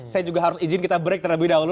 saya juga harus izin kita break terlebih dahulu